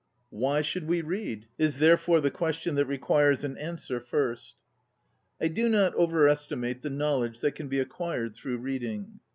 Why should we read? is therefore the question that requires an answer first. I do not overestimate the knowl edge that can be acquired through reading.